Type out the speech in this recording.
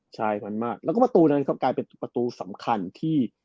ใช่พันมากแล้วก็ประตูนั้นก็กลายเป็นประตูสำคัญที่